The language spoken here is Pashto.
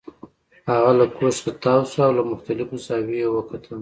هغه له کوچ څخه تاو شو او له مختلفو زاویو یې وکتل